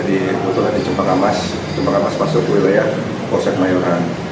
jadi itu tadi cempeng amas cempeng amas pasok wilayah posen mayonan